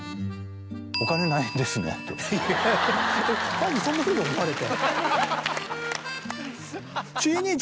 ファンにそんなふうに思われて。